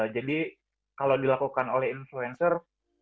jadi kalau dilakukan oleh influencer